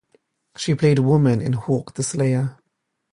She played "Woman" in Hawk the Slayer.